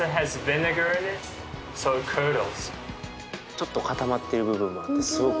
ちょっと固まってる部分もあってすごくおいしいの。